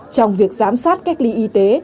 trong việc giám sát cách ly y tế